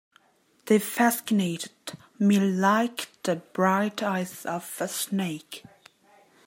They fascinated me like the bright eyes of a snake.